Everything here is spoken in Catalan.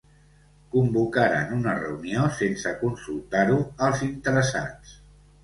Convocaren una reunió sense consultar-ho als interessats.